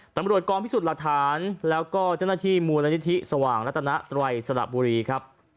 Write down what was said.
ตำรวจกองพิสูจน์หลักฐานแล้วก็เจ้าหน้าที่มูลนิธิสว่างรัตนไตรสระบุรีครับ